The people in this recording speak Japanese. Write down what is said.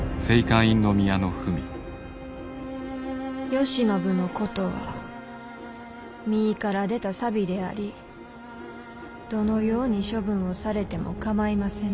「慶喜のことは身から出た錆でありどのように処分をされても構いませぬ。